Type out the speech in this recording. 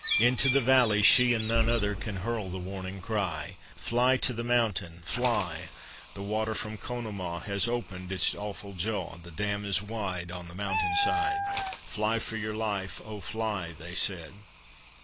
Into the valley she and none other Can hurl the warning cry: "Fly to the mountain! Fly! The water from Conemaugh Has opened its awful jaw. The dam is wide On the mountain side!" "Fly for your life, oh, fly!" They said.